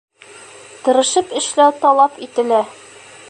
Тырышып эшләү талап ителә.